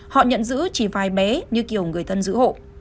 họ nhận giữ chỉ vài bé như kiểu người thân giữ hộ